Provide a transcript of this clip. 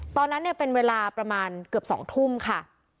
ตอนนั้นเนี่ยเป็นเวลาประมาณเกือบ๒ทุ่มค่ะ